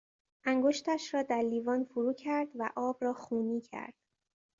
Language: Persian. انگشتش را در لیوان فرو کرد و آب را خونی کرد.